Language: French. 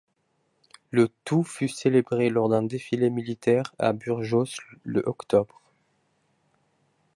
Le tout fut célébré lors d'un défilé militaire à Burgos le octobre.